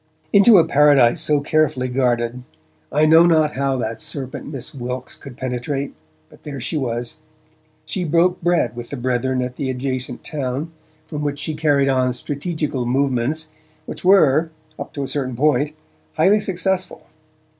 Into a paradise so carefully guarded, I know not how that serpent Miss Wilkes could penetrate, but there she was. She 'broke bread' with the Brethren at the adjacent town, from which she carried on strategical movements, which were, up to a certain point, highly successful.